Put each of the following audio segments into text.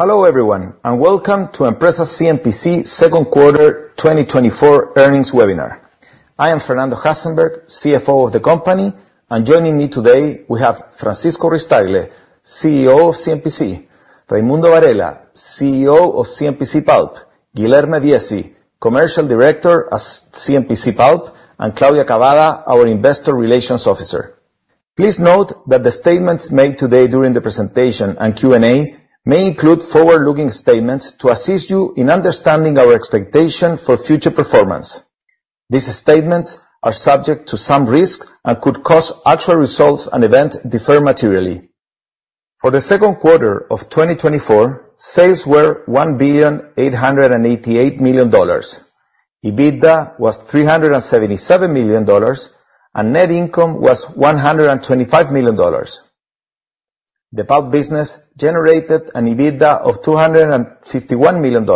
Hello, everyone, and welcome to Empresas CMPC second quarter 2024 earnings webinar. I am Fernando Hasenberg, CFO of the company, and joining me today we have Francisco Ruiz-Tagle, CEO of CMPC, Raimundo Varela, CEO of CMPC Pulp, Guilherme Viesi, Commercial Director at CMPC Pulp, and Claudia Cavada, our Investor Relations Officer. Please note that the statements made today during the presentation and Q&A may include forward-looking statements to assist you in understanding our expectation for future performance. These statements are subject to some risk and could cause actual results and events to differ materially. For the second quarter of 2024, sales were $1,888 million. EBITDA was $377 million, and net income was $125 million. The pulp business generated an EBITDA of $251 million,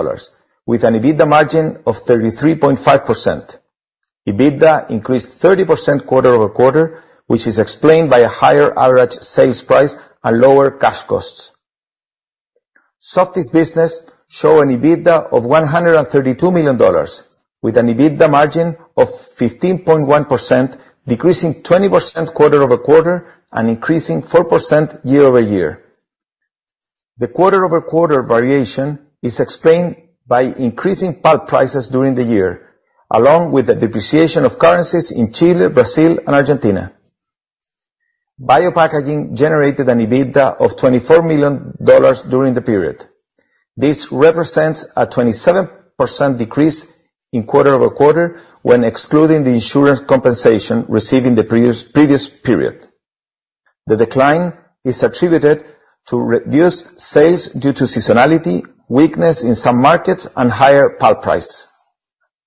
with an EBITDA margin of 33.5%. EBITDA increased 30% quarter-over-quarter, which is explained by a higher average sales price and lower cash costs. Softys business show an EBITDA of $132 million, with an EBITDA margin of 15.1%, decreasing 20% quarter-over-quarter and increasing 4% year-over-year. The quarter-over-quarter variation is explained by increasing pulp prices during the year, along with the depreciation of currencies in Chile, Brazil, and Argentina. Biopackaging generated an EBITDA of $24 million during the period. This represents a 27% decrease quarter-over-quarter when excluding the insurance compensation received in the previous period. The decline is attributed to reduced sales due to seasonality, weakness in some markets, and higher pulp price.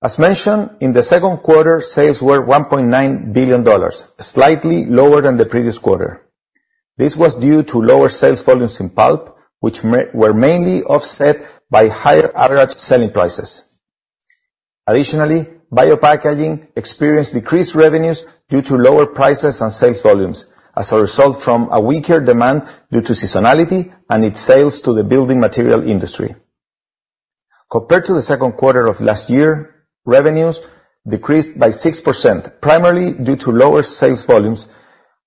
As mentioned, in the second quarter, sales were $1.9 billion, slightly lower than the previous quarter. This was due to lower sales volumes in pulp, which were mainly offset by higher average selling prices. Additionally, Biopackaging experienced decreased revenues due to lower prices and sales volumes as a result from a weaker demand due to seasonality and its sales to the building material industry. Compared to the second quarter of last year, revenues decreased by 6%, primarily due to lower sales volumes,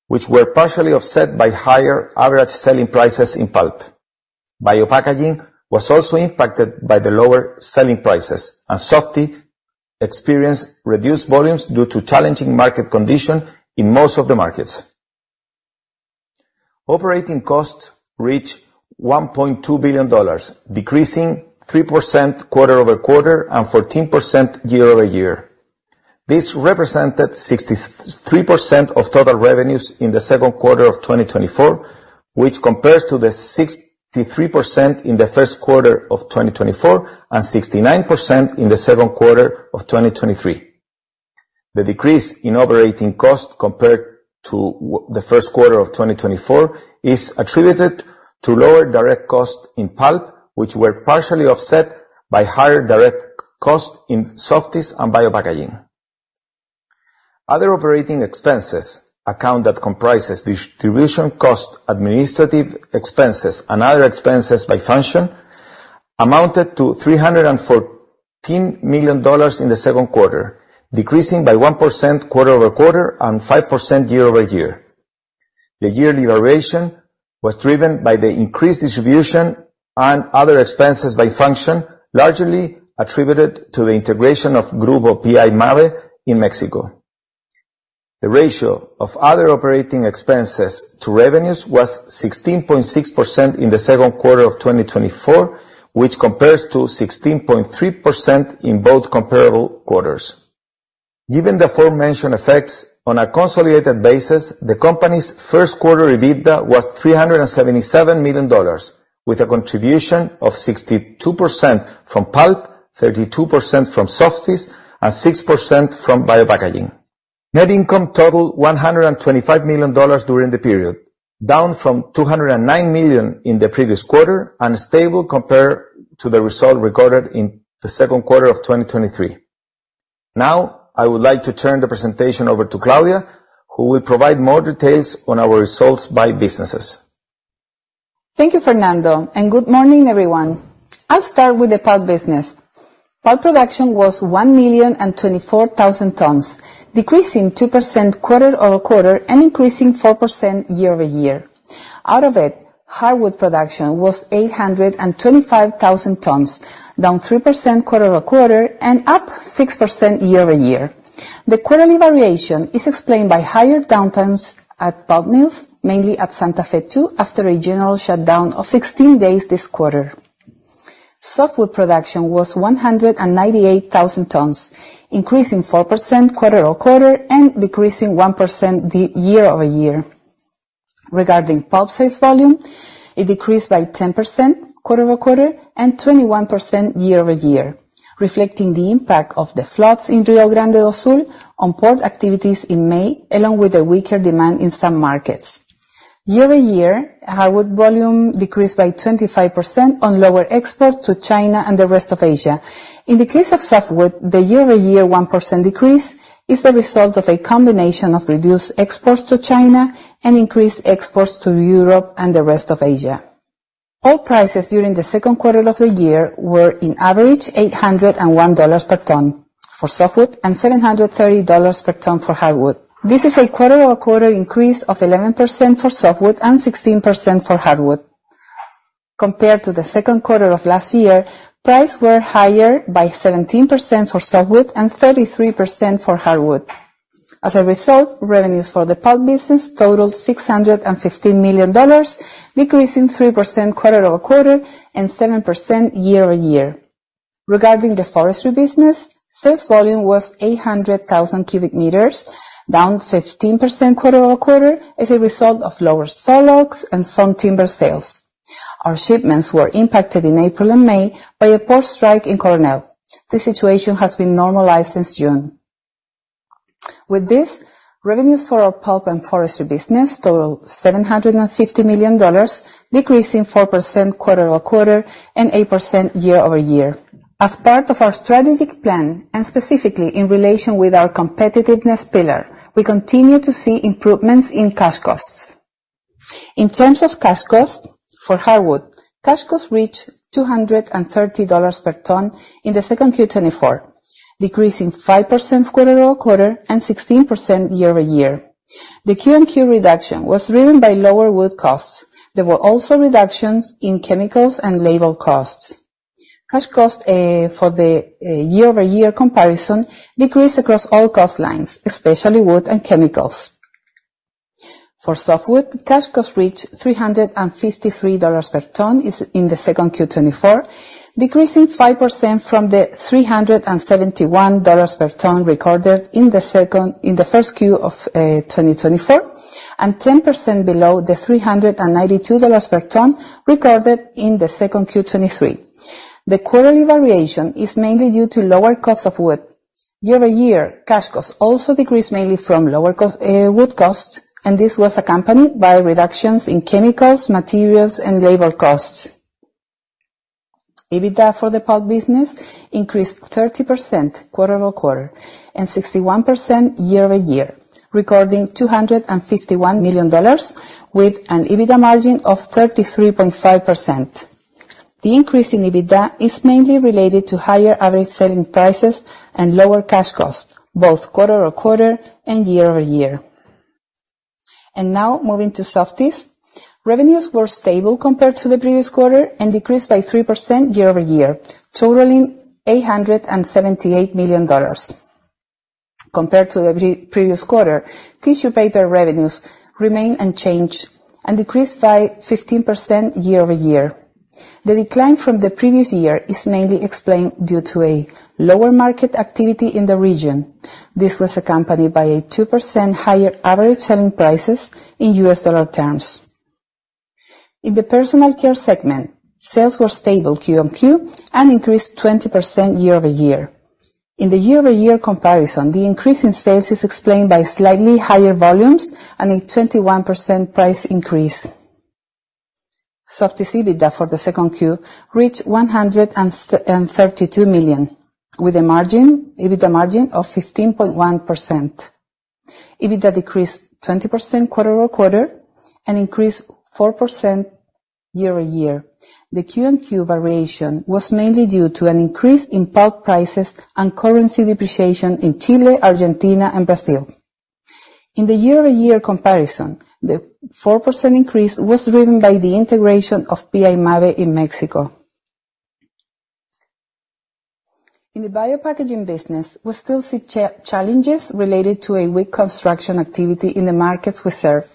which were partially offset by higher average selling prices in pulp. Biopackaging was also impacted by the lower selling prices, and Softys experienced reduced volumes due to challenging market condition in most of the markets. Operating costs reached $1.2 billion, decreasing 3% quarter-over-quarter and 14% year-over-year. This represented 63% of total revenues in the second quarter of 2024, which compares to the 63% in the first quarter of 2024 and 69% in the second quarter of 2023. The decrease in operating costs compared to the first quarter of 2024 is attributed to lower direct costs in pulp, which were partially offset by higher direct cost in Softys and Biopackaging. Other operating expenses, account that comprises distribution costs, administrative expenses, and other expenses by function, amounted to $314 million in the second quarter, decreasing by 1% quarter-over-quarter and 5% year-over-year. The yearly variation was driven by the increased distribution and other expenses by function, largely attributed to the integration of Grupo P.I. Mabe in Mexico. The ratio of other operating expenses to revenues was 16.6% in the second quarter of 2024, which compares to 16.3% in both comparable quarters. Given the aforementioned effects, on a consolidated basis, the company's first quarter EBITDA was $377 million, with a contribution of 62% from pulp, 32% from Softys, and 6% from Biopackaging. Net income totaled $125 million during the period, down from $209 million in the previous quarter and stable compared to the result recorded in the second quarter of 2023. Now, I would like to turn the presentation over to Claudia, who will provide more details on our results by businesses. Thank you, Fernando, and good morning, everyone. I'll start with the pulp business. Pulp production was 1,024,000 tons, decreasing 2% quarter-over-quarter and increasing 4% year-over-year. Out of it, hardwood production was 825,000 tons, down 3% quarter-over-quarter and up 6% year-over-year. The quarterly variation is explained by higher downtimes at pulp mills, mainly at Santa Fe 2, after a general shutdown of 16 days this quarter. Softwood production was 198,000 tons, increasing 4% quarter-over-quarter and decreasing 1% year-over-year. Regarding pulp sales volume, it decreased by 10% quarter-over-quarter and 21% year-over-year, reflecting the impact of the floods in Rio Grande do Sul on port activities in May, along with the weaker demand in some markets. Year over year, hardwood volume decreased by 25% on lower exports to China and the rest of Asia. In the case of softwood, the year-over-year 1% decrease is the result of a combination of reduced exports to China and increased exports to Europe and the rest of Asia. Pulp prices during the second quarter of the year were, on average, $801 per ton for softwood and $730 per ton for hardwood. This is a quarter-over-quarter increase of 11% for softwood and 16% for hardwood. Compared to the second quarter of last year, prices were higher by 17% for softwood and 33% for hardwood. As a result, revenues for the pulp business totaled $615 million, decreasing 3% quarter-over-quarter and 7% year over year. Regarding the forestry business, sales volume was 800,000 cubic meters, down 15% quarter-over-quarter, as a result of lower sawlogs and some timber sales. Our shipments were impacted in April and May by a port strike in Coronel. The situation has been normalized since June. With this, revenues for our pulp and forestry business totaled $750 million, decreasing 4% quarter-over-quarter and 8% year-over-year. As part of our strategic plan, and specifically in relation with our competitiveness pillar, we continue to see improvements in cash costs. In terms of cash costs, for hardwood, cash costs reached $230 per ton in the second Q 2024, decreasing 5% quarter-over-quarter and 16% year-over-year. The Q-on-Q reduction was driven by lower wood costs. There were also reductions in chemicals and labor costs. Cash costs for the year-over-year comparison decreased across all cost lines, especially wood and chemicals. For softwood, cash costs reached $353 per ton in 2Q 2024, decreasing 5% from the $371 per ton recorded in the first Q of 2024, and 10% below the $392 per ton recorded in 2Q 2023. The quarterly variation is mainly due to lower cost of wood. Year-over-year, cash costs also decreased mainly from lower wood costs, and this was accompanied by reductions in chemicals, materials, and labor costs. EBITDA for the pulp business increased 30% quarter-over-quarter and 61% year-over-year, recording $251 million with an EBITDA margin of 33.5%. The increase in EBITDA is mainly related to higher average selling prices and lower cash costs, both quarter-over-quarter and year-over-year. Now, moving to Softys. Revenues were stable compared to the previous quarter and decreased by 3% year-over-year, totaling $878 million. Compared to the pre-previous quarter, tissue paper revenues remained unchanged and decreased by 15% year-over-year. The decline from the previous year is mainly explained due to a lower market activity in the region. This was accompanied by a 2% higher average selling prices in US dollar terms. In the personal care segment, sales were stable Q-on-Q and increased 20% year-over-year. In the year-over-year comparison, the increase in sales is explained by slightly higher volumes and a 21% price increase. Softys EBITDA for the second Q reached $132 million, with a margin, EBITDA margin of 15.1%. EBITDA decreased 20% quarter-over-quarter and increased 4% year-over-year. The Q-on-Q variation was mainly due to an increase in pulp prices and currency depreciation in Chile, Argentina, and Brazil. In the year-over-year comparison, the 4% increase was driven by the integration of P.I. Mabe in Mexico. In the Biopackaging business, we still see challenges related to a weak construction activity in the markets we serve.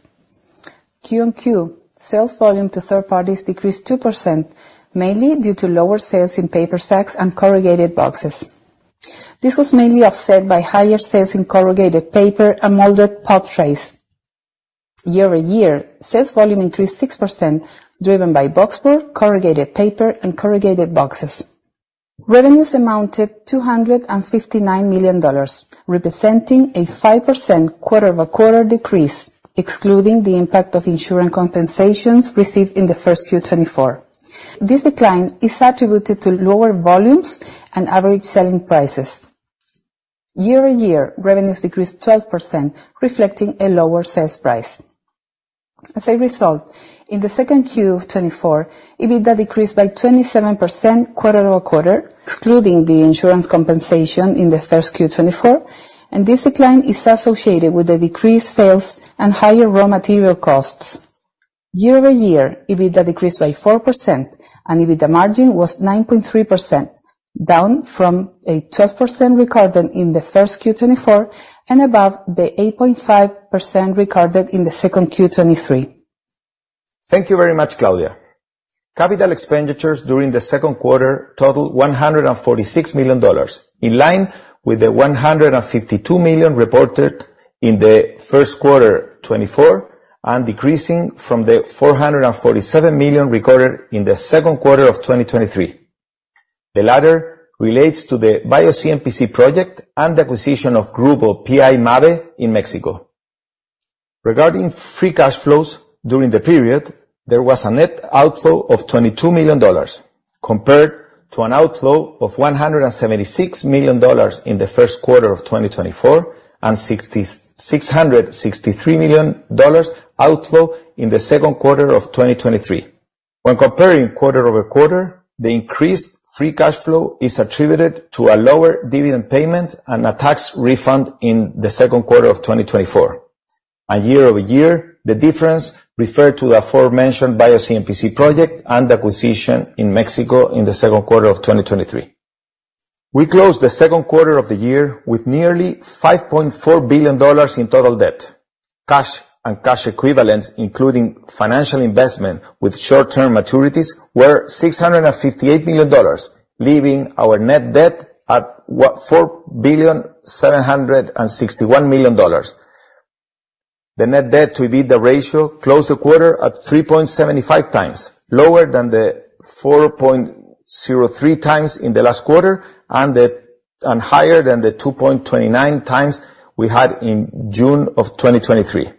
Q-on-Q, sales volume to third parties decreased 2%, mainly due to lower sales in paper sacks and corrugated boxes. This was mainly offset by higher sales in corrugated paper and molded pulp trays. Year-over-year, sales volume increased 6%, driven by boxboard, corrugated paper, and corrugated boxes. Revenues amounted $259 million, representing a 5% quarter-over-quarter decrease, excluding the impact of insurance compensations received in the first Q 2024. This decline is attributed to lower volumes and average selling prices. Year-over-year, revenues decreased 12%, reflecting a lower sales price. As a result, in the second Q of 2024, EBITDA decreased by 27% quarter-over-quarter, excluding the insurance compensation in the first Q 2024, and this decline is associated with the decreased sales and higher raw material costs. Year-over-year, EBITDA decreased by 4%, and EBITDA margin was 9.3%, down from a 12% recorded in the first Q 2024 and above the 8.5% recorded in the second Q 2023. Thank you very much, Claudia. Capital expenditures during the second quarter totaled $146 million, in line with the $152 million reported in the first quarter 2024, and decreasing from the $447 million recorded in the second quarter of 2023. The latter relates to the BioCMPC project and acquisition of Grupo P.I. Mabe in Mexico. Regarding free cash flows during the period, there was a net outflow of $22 million compared to an outflow of $176 million in the first quarter of 2024, and $66.663 million outflow in the second quarter of 2023. When comparing quarter-over-quarter, the increased free cash flow is attributed to a lower dividend payment and a tax refund in the second quarter of 2024. Year over year, the difference referred to the aforementioned BioCMPC project and acquisition in Mexico in the second quarter of 2023. We closed the second quarter of the year with nearly $5.4 billion in total debt. Cash and cash equivalents, including financial investment with short-term maturities, were $658 million, leaving our net debt at $4.761 billion. The net debt to EBITDA ratio closed the quarter at 3.75 times, lower than the 4.03 times in the last quarter, and higher than the 2.29 times we had in June of 2023.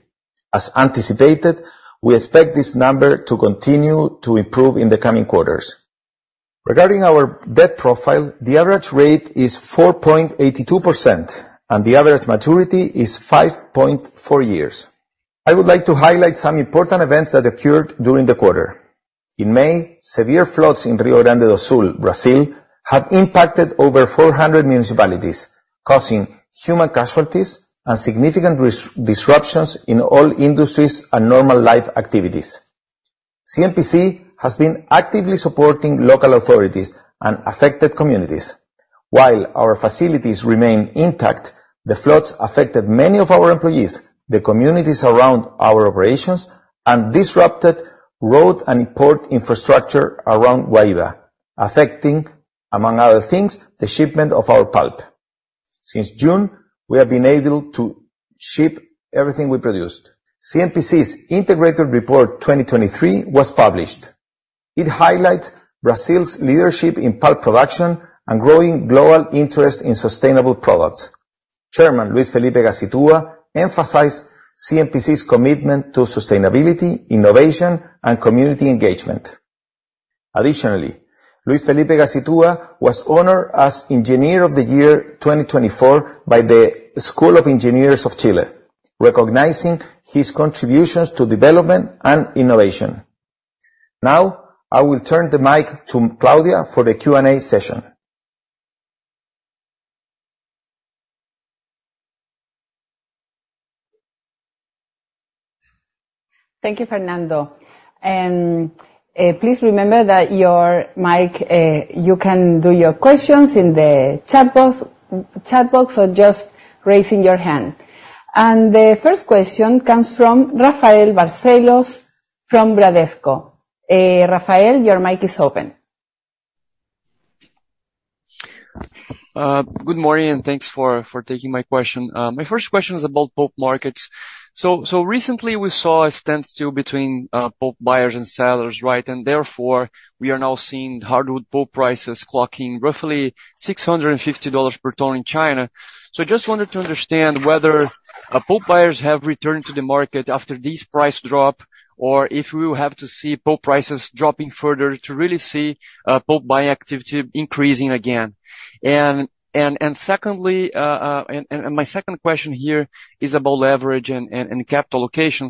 As anticipated, we expect this number to continue to improve in the coming quarters. Regarding our debt profile, the average rate is 4.82%, and the average maturity is 5.4 years. I would like to highlight some important events that occurred during the quarter. In May, severe floods in Rio Grande do Sul, Brazil, have impacted over 400 municipalities, causing human casualties and significant disruptions in all industries and normal life activities. CMPC has been actively supporting local authorities and affected communities. While our facilities remain intact, the floods affected many of our employees, the communities around our operations, and disrupted road and port infrastructure around Guaíba, affecting, among other things, the shipment of our pulp. Since June, we have been able to ship everything we produced. CMPC's integrated report 2023 was published. It highlights Brazil's leadership in pulp production and growing global interest in sustainable products. Chairman Luis Felipe Gazitúa emphasized CMPC's commitment to sustainability, innovation, and community engagement. Additionally, Luis Felipe Gazitúa was honored as Engineer of the Year 2024 by the School of Engineers of Chile, recognizing his contributions to development and innovation. Now, I will turn the mic to Claudia for the Q&A session. Thank you, Fernando. Please remember that your mic, you can do your questions in the chat box, chat box or just raising your hand. The first question comes from Rafael Barcelos, from Bradesco. Rafael, your mic is open. Good morning, and thanks for taking my question. My first question is about pulp markets. Recently we saw a standstill between pulp buyers and sellers, right? And therefore, we are now seeing hardwood pulp prices clocking roughly $650 per ton in China. I just wanted to understand whether pulp buyers have returned to the market after this price drop, or if we will have to see pulp prices dropping further to really see pulp buy activity increasing again. Secondly, my second question here is about leverage and capital allocation.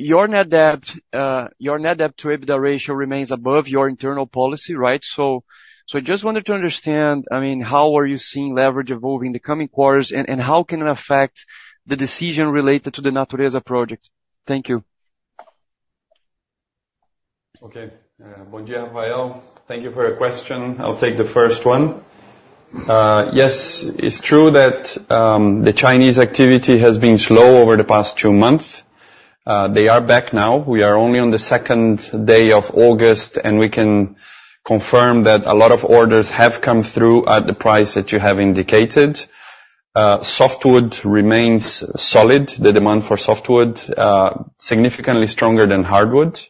Your net debt to EBITDA ratio remains above your internal policy, right? So, so I just wanted to understand, I mean, how are you seeing leverage evolving in the coming quarters, and, and how can it affect the decision related to the Natureza Project? Thank you. Okay. Bon dia, Rafael. Thank you for your question. I'll take the first one. Yes, it's true that the Chinese activity has been slow over the past two months. They are back now. We are only on the second day of August, and we can confirm that a lot of orders have come through at the price that you have indicated. Softwood remains solid. The demand for softwood significantly stronger than hardwood.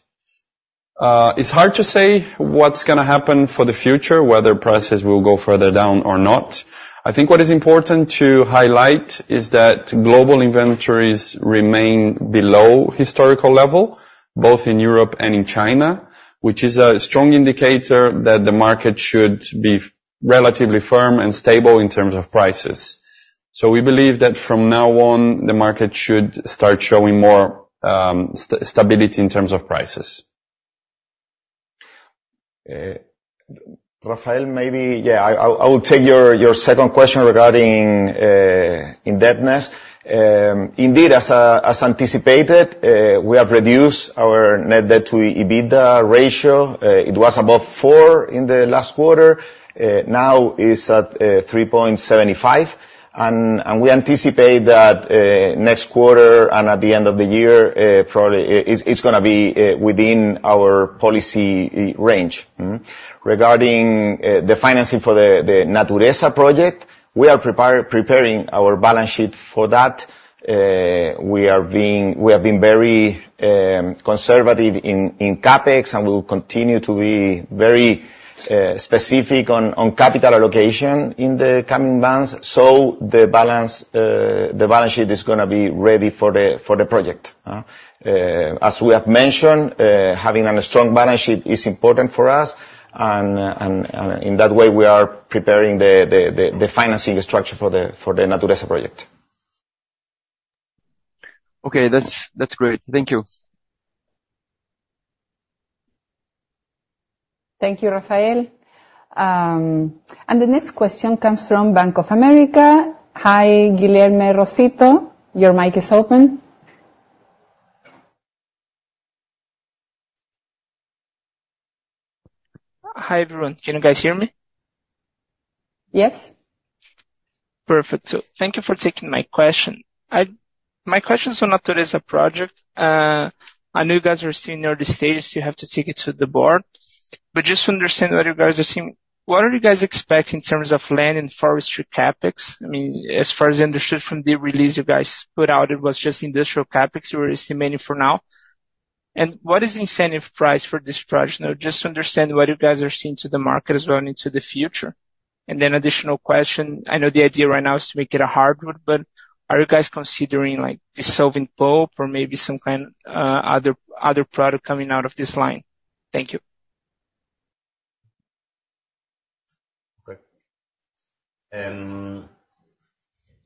It's hard to say what's gonna happen for the future, whether prices will go further down or not. I think what is important to highlight is that global inventories remain below historical level, both in Europe and in China, which is a strong indicator that the market should be relatively firm and stable in terms of prices. So we believe that from now on, the market should start showing more stability in terms of prices. Rafael, maybe. Yeah, I will take your second question regarding indebtedness. Indeed, as anticipated, we have reduced our net debt to EBITDA ratio. It was above 4 in the last quarter, now is at 3.75. And we anticipate that next quarter and at the end of the year, probably, it's gonna be within our policy range. Mm-hmm. Regarding the financing for the Natureza Project, we are preparing our balance sheet for that. We are being, we have been very conservative in CapEx, and we will continue to be very- ... specific on capital allocation in the coming months, so the balance sheet is gonna be ready for the project? As we have mentioned, having a strong balance sheet is important for us, and in that way, we are preparing the financing structure for the Natureza project. Okay, that's, that's great. Thank you. Thank you, Rafael. The next question comes from Bank of America. Hi, Guilherme Rosito, your mic is open. Hi, everyone. Can you guys hear me? Yes. Perfect. So thank you for taking my question. My question is on Natureza Project. I know you guys are still in early stages, you have to take it to the board. But just to understand what you guys are seeing, what are you guys expecting in terms of land and forestry CapEx? I mean, as far as understood from the release you guys put out, it was just industrial CapEx you were estimating for now. And what is the incentive price for this project? You know, just to understand what you guys are seeing to the market as well into the future. And then additional question, I know the idea right now is to make it a hardwood, but are you guys considering, like, dissolving pulp or maybe some kind, other, other product coming out of this line? Thank you. Okay.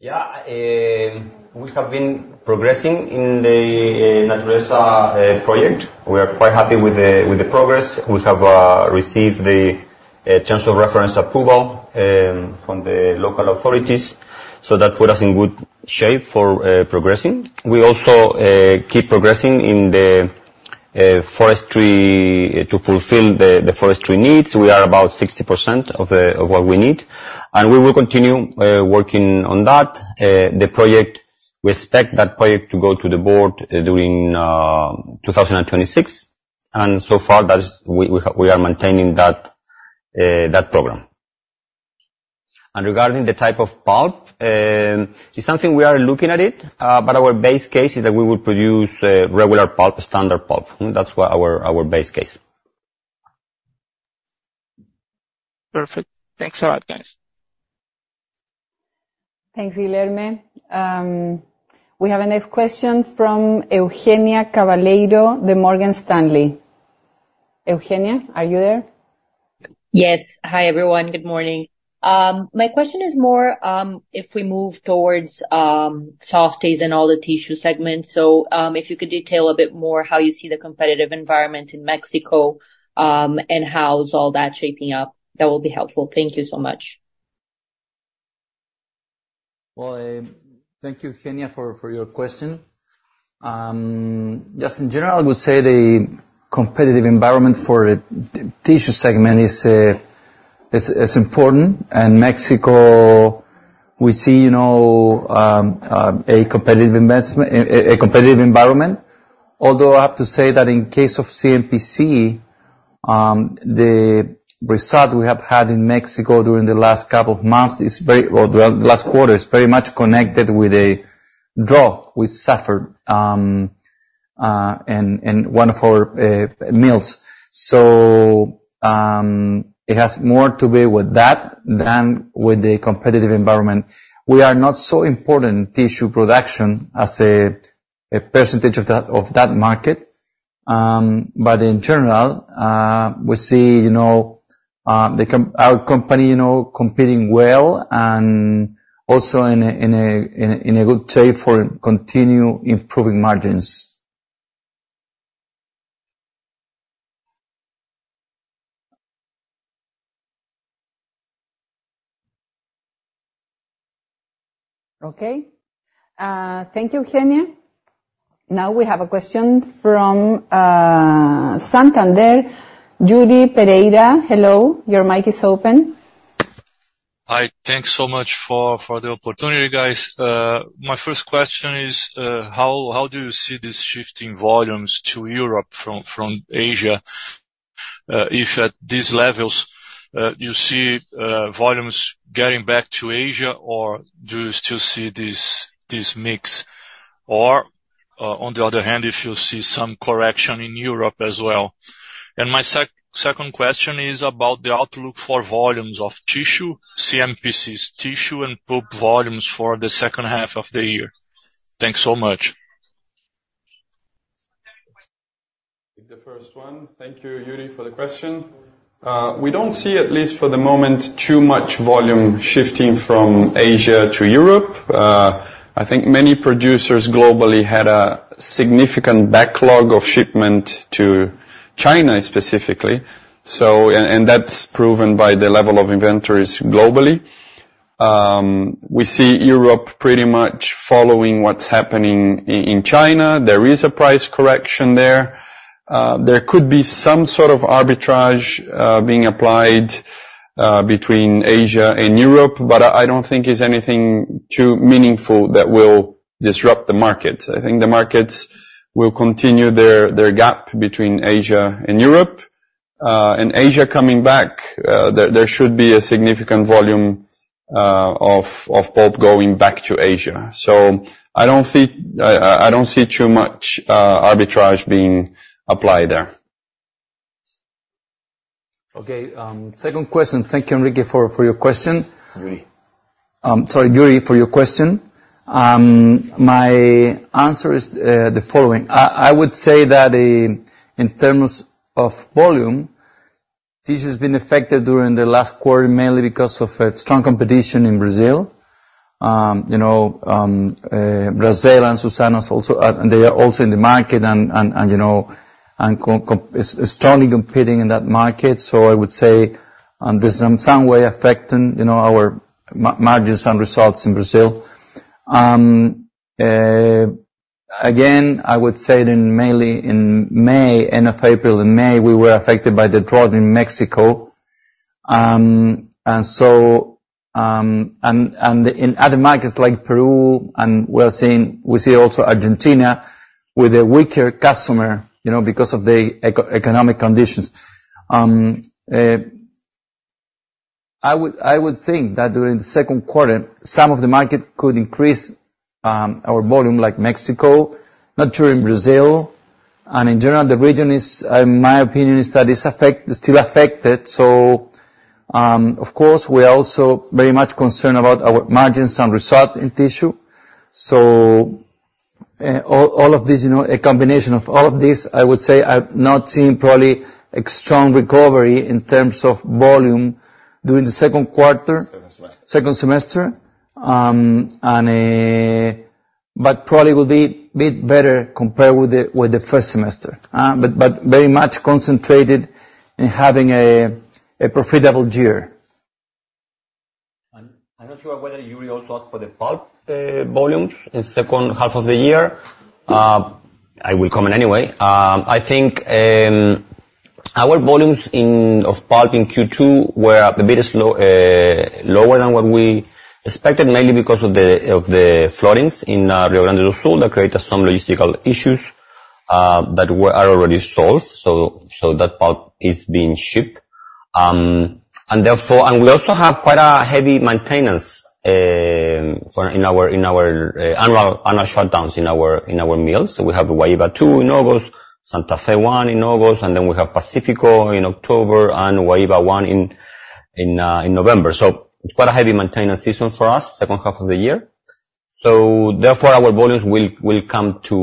Yeah. We have been progressing in the Natureza Project. We are quite happy with the progress. We have received the terms of reference approval from the local authorities, so that put us in good shape for progressing. We also keep progressing in the forestry to fulfill the forestry needs. We are about 60% of what we need, and we will continue working on that. The project, we expect that project to go to the board during 2026, and so far, that is... We are maintaining that program. And regarding the type of pulp, it's something we are looking at it, but our base case is that we will produce regular pulp, standard pulp. Mm. That's what our base case. Perfect. Thanks a lot, guys. Thanks, Guilherme. We have a next question from Eugênia Ceballos of Morgan Stanley. Eugênia, are you there? Yes. Hi, everyone. Good morning. My question is more, if we move towards, Softys and all the tissue segments. So, if you could detail a bit more how you see the competitive environment in Mexico, and how is all that shaping up, that will be helpful. Thank you so much. Well, thank you, Eugênia, for your question. Just in general, I would say the competitive environment for the tissue segment is important. And Mexico, we see, you know, a competitive investment, a competitive environment. Although I have to say that in case of CMPC, the result we have had in Mexico during the last couple of months, or the last quarter, is very much connected with a drop we suffered in one of our mills. So, it has more to do with that than with the competitive environment. We are not so important tissue production as a percentage of that market. But in general, we see, you know, our company, you know, competing well and also in a good shape for continue improving margins. Okay. Thank you, Eugênia. Now we have a question from Santander. Yuri Pereira, hello. Your mic is open. Hi, thanks so much for the opportunity, guys. My first question is, how do you see this shift in volumes to Europe from Asia? If at these levels, you see volumes getting back to Asia, or do you still see this mix? Or, on the other hand, if you see some correction in Europe as well. And my second question is about the outlook for volumes of tissue, CMPC's tissue, and pulp volumes for the second half of the year. Thanks so much. The first one, thank you, Yuri, for the question. We don't see, at least for the moment, too much volume shifting from Asia to Europe. I think many producers globally had a significant backlog of shipment to China, specifically. That's proven by the level of inventories globally. We see Europe pretty much following what's happening in China. There is a price correction there. There could be some sort of arbitrage being applied between Asia and Europe, but I don't think it's anything too meaningful that will disrupt the market. I think the markets will continue their gap between Asia and Europe. Asia coming back, there should be a significant volume-... of pulp going back to Asia. So I don't think. I don't see too much arbitrage being applied there. Okay, second question. Thank you, Enrique, for your question. Yuri. Sorry, Yuri, for your question. My answer is the following: I would say that in terms of volume, this has been affected during the last quarter, mainly because of strong competition in Brazil. You know, Brazil and Suzano also, they are also in the market and you know, and strongly competing in that market. So I would say, this is in some way affecting, you know, our margins and results in Brazil. Again, I would say it mainly in May, end of April and May, we were affected by the drought in Mexico. And so, and in other markets like Peru, and we see also Argentina with a weaker customer, you know, because of the economic conditions. I would think that during the second quarter, some of the market could increase our volume, like Mexico, not true in Brazil, and in general, the region is, in my opinion, still affected. So, of course, we are also very much concerned about our margins and result in tissue. So, all of these, you know, a combination of all of these, I would say I've not seen probably a strong recovery in terms of volume during the second quarter- Second semester. -second semester. But probably will be bit better compared with the first semester. But very much concentrated in having a profitable year. I'm not sure whether you also asked for the pulp volumes in second half of the year. I will comment anyway. I think our volumes of pulp in Q2 were a bit slow, lower than what we expected, mainly because of the flooding in Rio Grande do Sul that created some logistical issues that are already solved. So that pulp is being shipped. And we also have quite a heavy maintenance for our annual shutdowns in our mills. So we have Guaíba 2 in September, Santa Fe 1 in September, and then we have Pacífico in October and Guaíba 1 in November. So it's quite a heavy maintenance season for us, second half of the year. So therefore, our volumes will come to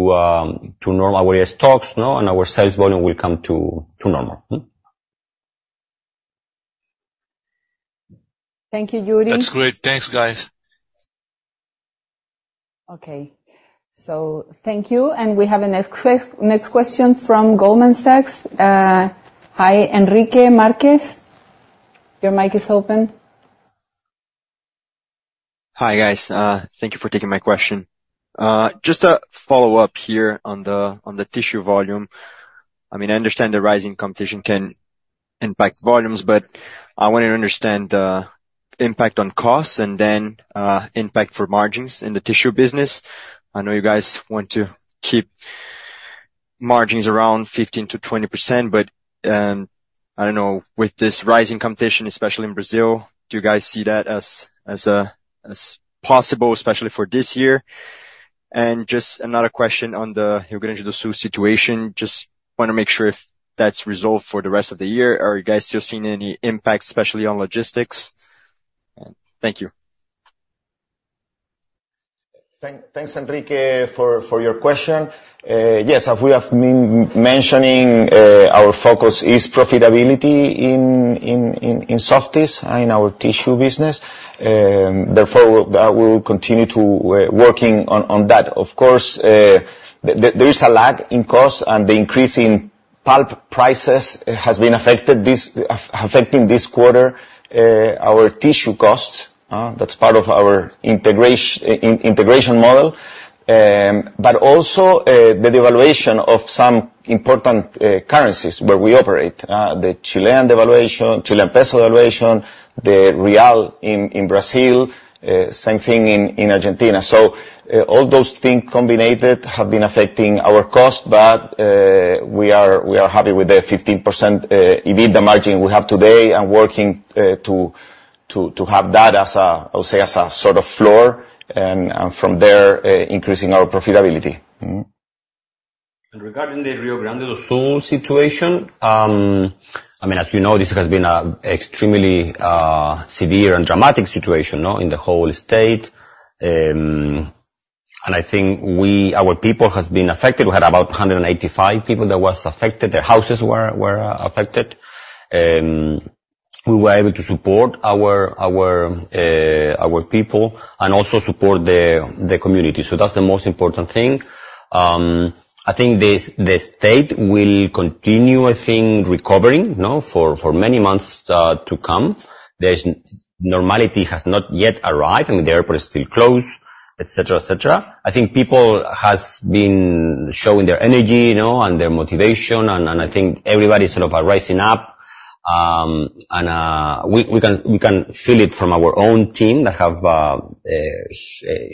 normal, whereas stocks, no, and our sales volume will come to normal. Thank you, Yuri. That's great. Thanks, guys. Okay. So thank you, and we have the next question from Goldman Sachs. Hi, Henrique Marques. Your mic is open. Hi, guys. Thank you for taking my question. Just a follow-up here on the tissue volume. I mean, I understand the rising competition can impact volumes, but I wanted to understand the impact on costs and then impact for margins in the tissue business. I know you guys want to keep margins around 15%-20%, but I don't know, with this rising competition, especially in Brazil, do you guys see that as possible, especially for this year? Just another question on the Rio Grande do Sul situation. Just want to make sure if that's resolved for the rest of the year, are you guys still seeing any impact, especially on logistics? Thank you. Thanks, Enrique, for your question. Yes, as we have been mentioning, our focus is profitability in Softys, in our tissue business. Therefore, we will continue working on that. Of course, there is a lag in cost, and the increase in pulp prices has been affecting this quarter our tissue costs, that's part of our integration model. But also, the devaluation of some important currencies where we operate. The Chilean devaluation, Chilean peso devaluation, the real in Brazil, same thing in Argentina. So, all those things combined have been affecting our cost, but we are happy with the 15% EBITDA margin we have today, and working to have that as a, I would say, as a sort of floor, and from there increasing our profitability. Mm-hmm. Regarding the Rio Grande do Sul situation, I mean, as you know, this has been a extremely severe and dramatic situation, no? In the whole state. And I think our people has been affected. We had about 185 people that was affected. Their houses were affected. We were able to support our people and also support the community. So that's the most important thing. I think the state will continue, I think, recovering, no? For many months to come. There's normality has not yet arrived, I mean, the airport is still closed, et cetera, et cetera. I think people has been showing their energy, you know, and their motivation, and I think everybody is sort of are rising up. And we can feel it from our own team that have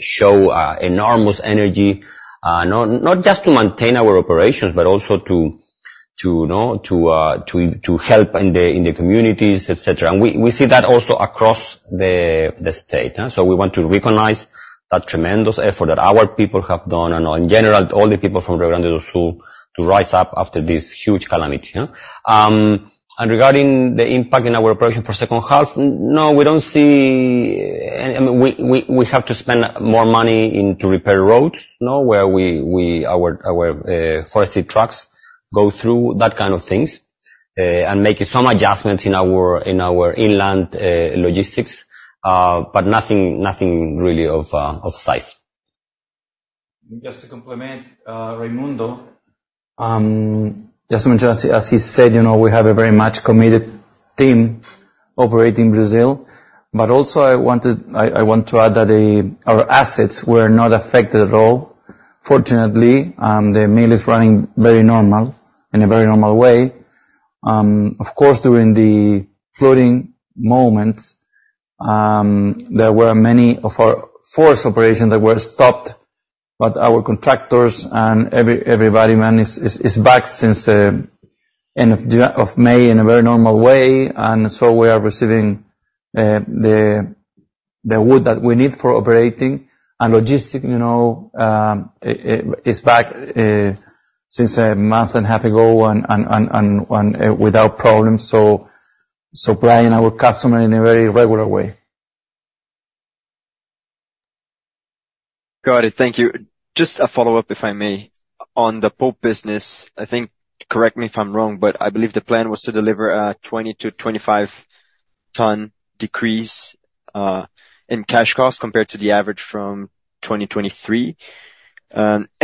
show enormous energy, not just to maintain our operations, but also to-... to you know to help in the communities et cetera. And we see that also across the state huh? So we want to recognize that tremendous effort that our people have done, and in general all the people from Rio Grande do Sul to rise up after this huge calamity yeah. And regarding the impact in our operation for second half, no we don't see and we have to spend more money in to repair roads you know where our forestry trucks go through that kind of things. And making some adjustments in our inland logistics but nothing really of size. Just to complement, Raimundo, just to mention, as he said, you know, we have a very much committed team operating Brazil. But also I wanted. I want to add that our assets were not affected at all. Fortunately, the mill is running very normal, in a very normal way. Of course, during the flooding moments, there were many of our forest operation that were stopped, but our contractors and everybody is back since end of May in a very normal way. And so we are receiving the wood that we need for operating. And logistics, you know, it is back since a month and a half ago, and without problems, so supplying our customer in a very regular way. Got it. Thank you. Just a follow-up, if I may. On the pulp business, I think, correct me if I'm wrong, but I believe the plan was to deliver a 20-25 ton decrease in cash costs compared to the average from 2023.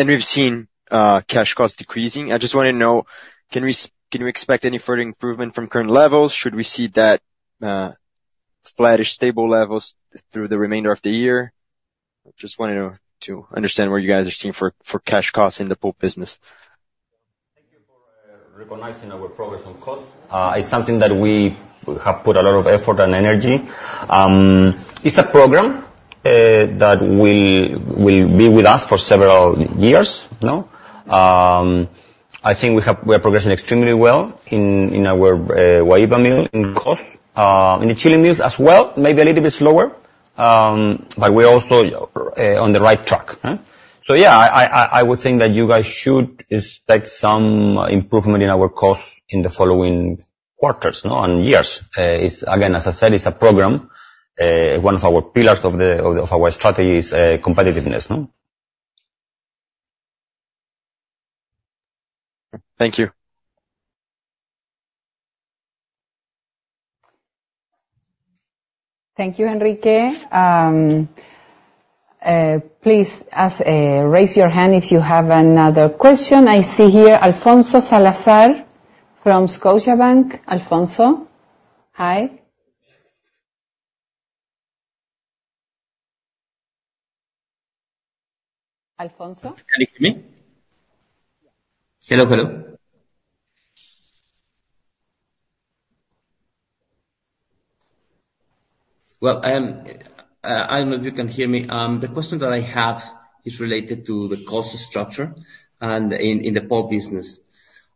We've seen cash costs decreasing. I just want to know, can we expect any further improvement from current levels? Should we see that flattish, stable levels through the remainder of the year? Just wanted to understand where you guys are seeing for cash costs in the pulp business. Thank you for recognizing our progress on cost. It's something that we have put a lot of effort and energy. It's a program that will be with us for several years, you know? I think we are progressing extremely well in our Guaíba mill, in cost. In the Chile mills as well, maybe a little bit slower, but we're also on the right track, huh? So yeah, I would think that you guys should expect some improvement in our costs in the following quarters, you know, and years. It's again, as I said, it's a program, one of our pillars of our strategy is competitiveness, no? Thank you. Thank you, Enrique. Please ask, raise your hand if you have another question. I see here Alfonso Salazar from Scotiabank. Alfonso, hi. Alfonso? Can you hear me? Hello, hello. Well, I don't know if you can hear me. The question that I have is related to the cost structure and in the pulp business.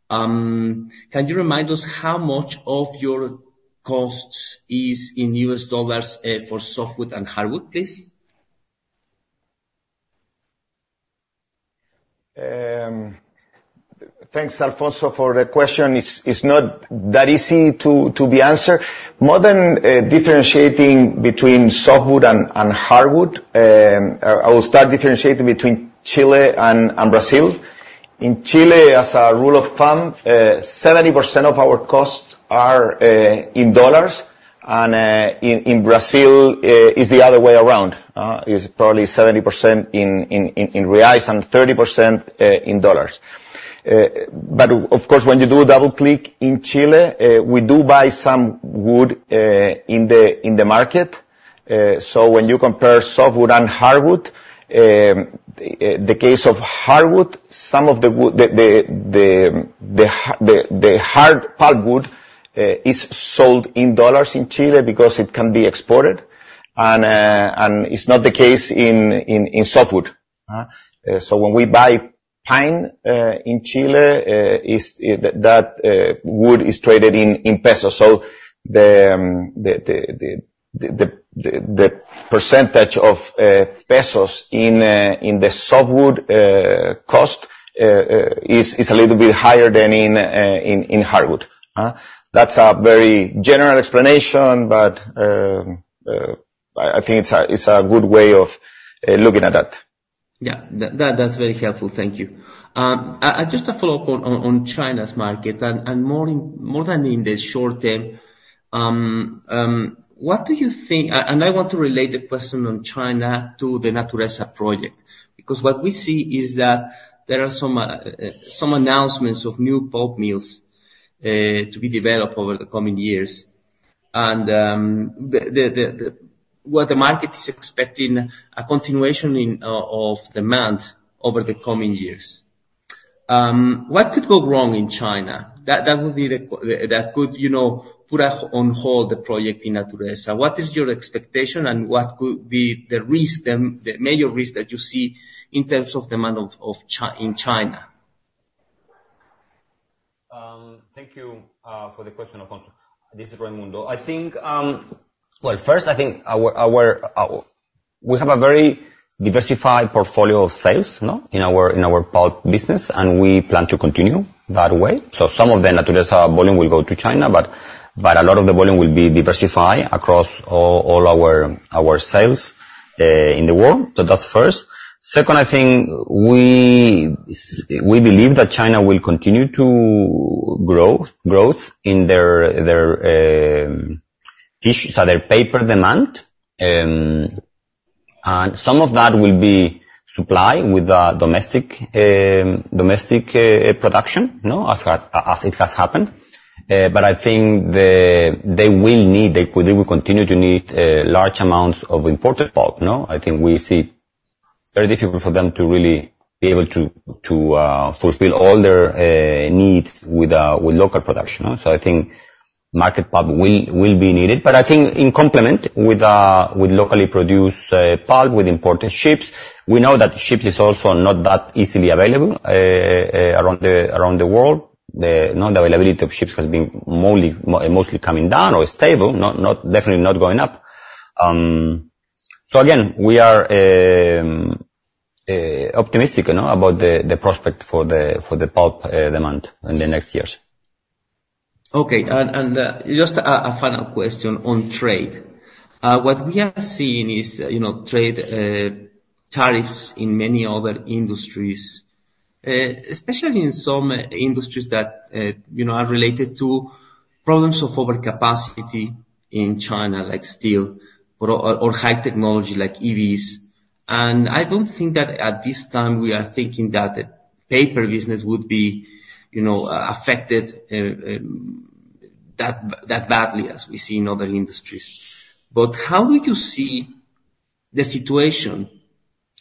Can you remind us how much of your costs is in U.S. dollars, for softwood and hardwood, please? Thanks, Alfonso, for the question. It's not that easy to be answered. More than differentiating between softwood and hardwood, I will start differentiating between Chile and Brazil. In Chile, as a rule of thumb, 70% of our costs are in dollars, and in Brazil, it's the other way around. It's probably 70% in reais and 30% in dollars. But of course, when you do a double click in Chile, we do buy some wood in the market. So when you compare softwood and hardwood, the case of hardwood, some of the wood, the hard pulpwood is sold in dollars in Chile because it can be exported, and it's not the case in softwood, huh? So when we buy pine in Chile, that wood is traded in pesos. So the percentage of pesos in the softwood cost is a little bit higher than in hardwood, huh? That's a very general explanation, but I think it's a good way of looking at that. Yeah, that's very helpful. Thank you. Just a follow-up on China's market, and more than in the short term, what do you think... And I want to relate the question on China to the Natureza project, because what we see is that there are some announcements of new pulp mills to be developed over the coming years. And what the market is expecting, a continuation of demand over the coming years. What could go wrong in China? That would be the – that could, you know, put on hold the project in Natureza. What is your expectation, and what could be the risk, the major risk that you see in terms of demand in China?... Thank you for the question, Alfonso. This is Raimundo. I think, well, first, I think we have a very diversified portfolio of sales, you know, in our pulp business, and we plan to continue that way. So some of the Natureza volume will go to China, but a lot of the volume will be diversified across all our sales in the world. So that's first. Second, I think we believe that China will continue to grow, growth in their tissue, so their paper demand. And some of that will be supplied with domestic production, you know, as it has happened. But I think they will need, they will continue to need large amounts of imported pulp, you know? I think we see it's very difficult for them to really be able to fulfill all their needs with local production, so I think market pulp will be needed. But I think in complement with locally produced pulp, with imported ships, we know that ships is also not that easily available around the world. The non-availability of ships has been mostly coming down or stable, not definitely not going up. So again, we are optimistic, you know, about the prospect for the pulp demand in the next years. Okay. Just a final question on trade. What we are seeing is, you know, trade tariffs in many other industries, especially in some industries that, you know, are related to problems of overcapacity in China, like steel or high technology like EVs. And I don't think that at this time we are thinking that the paper business would be, you know, affected that badly as we see in other industries. But how do you see the situation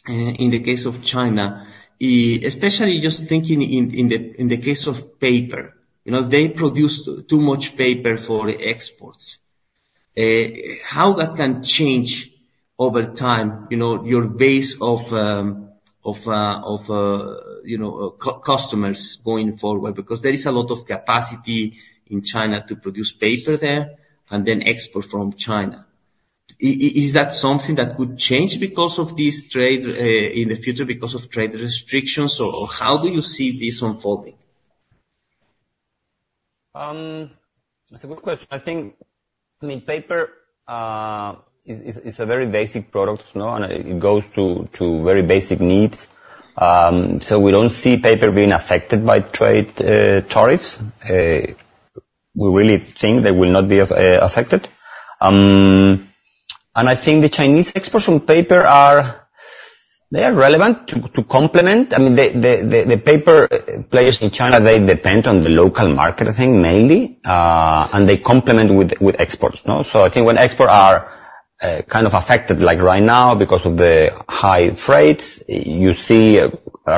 in the case of China, especially just thinking in the case of paper? You know, they produce too much paper for exports. How that can change over time, you know, your base of core customers going forward? Because there is a lot of capacity in China to produce paper there and then export from China. Is that something that could change because of this trade in the future, because of trade restrictions, or how do you see this unfolding? That's a good question. I think, I mean, paper is a very basic product, you know, and it goes to very basic needs. So we don't see paper being affected by trade tariffs. We really think they will not be affected. And I think the Chinese exports on paper are... They are relevant to complement. I mean, the paper players in China, they depend on the local market, I think, mainly, and they complement with exports, you know? So I think when export are kind of affected, like right now, because of the high freights, you see a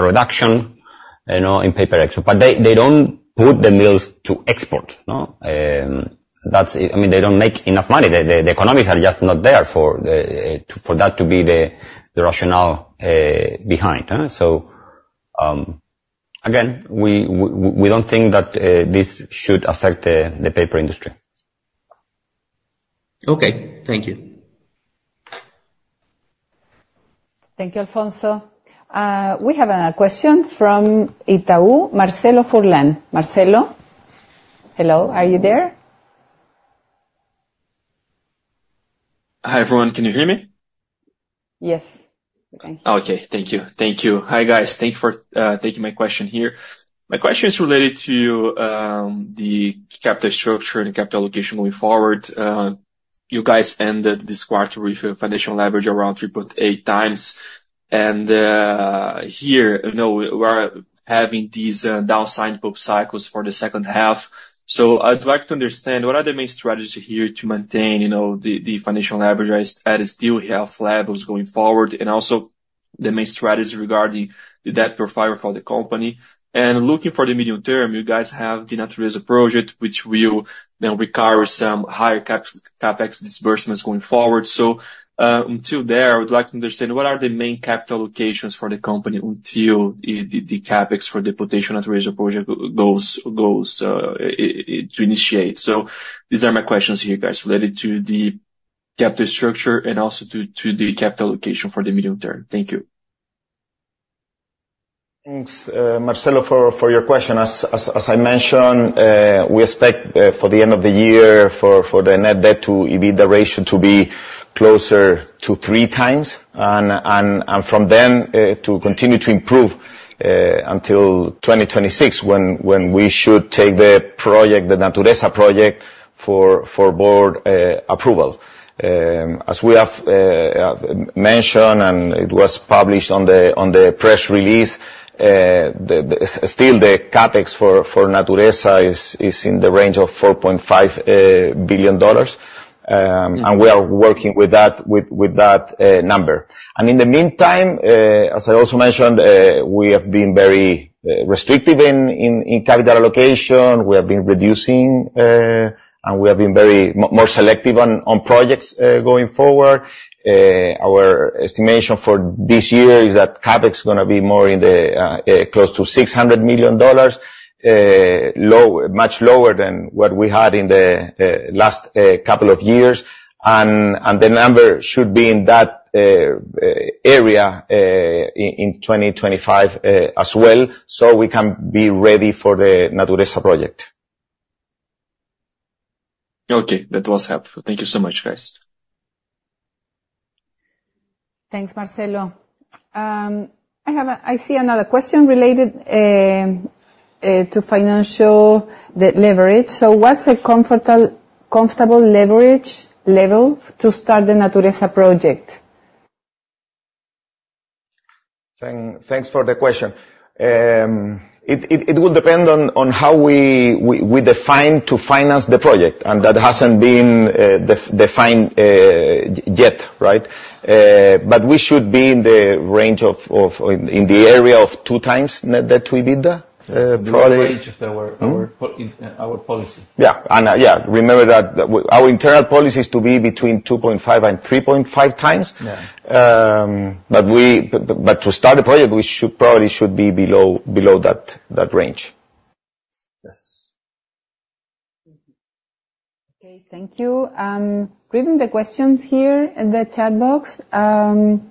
reduction, you know, in paper export. But they don't put the mills to export, no? That's... I mean, they don't make enough money. The economics are just not there for that to be the rationale behind. So, again, we don't think that this should affect the paper industry. Okay. Thank you. Thank you, Alfonso. We have a question from Itaú, Marcelo Furlan. Marcelo, hello, are you there? Hi, everyone. Can you hear me? Yes. Okay. Thank you. Thank you. Hi, guys. Thank you for taking my question here. My question is related to the capital structure and capital allocation moving forward. You guys ended this quarter with a financial leverage around 3.8 times, and here, you know, we are having these downside pulp cycles for the second half. So I'd like to understand, what are the main strategies here to maintain, you know, the financial leverage at a still healthy levels going forward, and also the main strategies regarding the debt profile for the company? And looking for the medium term, you guys have the Natureza Project, which will then require some higher CapEx disbursements going forward. So, until there, I would like to understand what are the main capital allocations for the company until the CapEx for the potential Natureza project goes to initiate? So these are my questions here, guys, related to the capital structure and also to the capital allocation for the medium term. Thank you. Thanks, Marcelo, for your question. As I mentioned, we expect for the end of the year for the net debt to EBITDA ratio to be closer to three times, and from then to continue to improve until 2026, when we should take the project, the Natureza project, for board approval. As we have mentioned, and it was published on the press release, still the CapEx for Natureza is in the range of $4.5 billion. And we are working with that number. And in the meantime, as I also mentioned, we have been very restrictive in capital allocation. We have been reducing, and we have been very... More selective on projects going forward. Our estimation for this year is that CapEx is gonna be more in the close to $600 million, lower, much lower than what we had in the last couple of years. And the number should be in that area in 2025 as well, so we can be ready for the Natureza Project.... Okay, that was helpful. Thank you so much, guys. Thanks, Marcelo. I see another question related to financial, the leverage. So what's a comfortable, comfortable leverage level to start the Natureza Project? Thanks for the question. It will depend on how we define to finance the project, and that hasn't been defined yet, right? But we should be in the range of in the area of 2x net debt to EBITDA, probably. The range of our- Hmm? Our po, in our policy. Yeah, and, yeah, remember that our internal policy is to be between 2.5 and 3.5 times. Yeah. But to start the project, we should probably be below that range. Yes. Okay, thank you. Reading the questions here in the chat box, more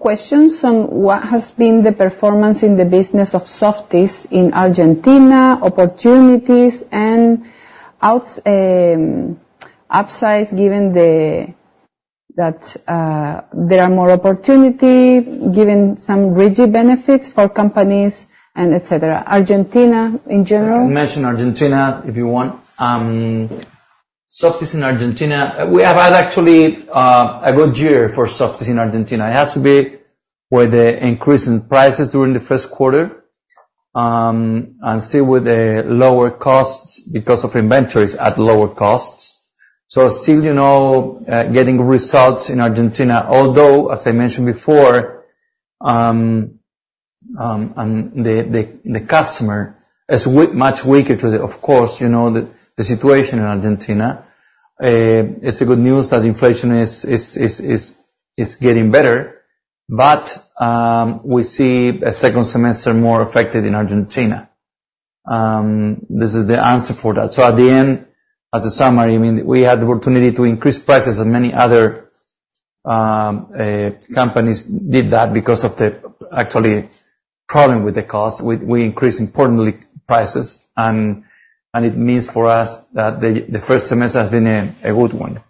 questions on what has been the performance in the business of Softys in Argentina, opportunities, and upsides, given that there are more opportunity, given some RIGI benefits for companies and et cetera. Argentina, in general. I can mention Argentina, if you want. Softys in Argentina, we have had actually a good year for Softys in Argentina. It has to be with the increase in prices during the first quarter, and still with the lower costs because of inventories at lower costs. So still, you know, getting results in Argentina. Although, as I mentioned before, and the customer is much weaker to the... Of course, you know, the situation in Argentina. It's good news that inflation is getting better, but we see a second semester more affected in Argentina. This is the answer for that. So at the end, as a summary, I mean, we had the opportunity to increase prices, and many other companies did that because of the actual problem with the cost. We increased importantly prices, and it means for us that the first semester has been a good one.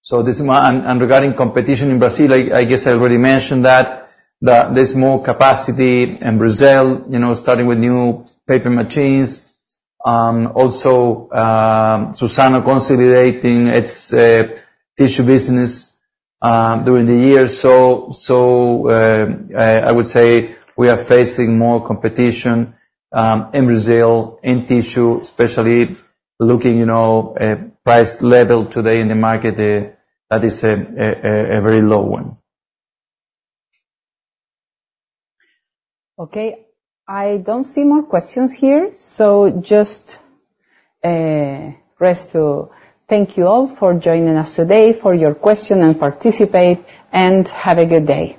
So this is my... And regarding competition in Brazil, I guess I already mentioned that there's more capacity in Brazil, you know, starting with new paper machines. Also, Suzano consolidating its tissue business during the year. So I would say we are facing more competition in Brazil, in tissue, especially looking, you know, at price level today in the market, that is a very low one. Okay. I don't see more questions here. So, just to thank you all for joining us today, for your questions and participation, and have a good day.